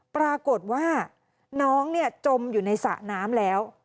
ปรากฏว่าน้องจมอยู่ในสระน้ำแล้ว